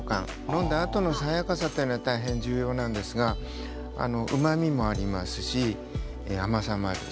飲んだあとの爽やかさが大変重要ですがうまみもありますし、甘さもある。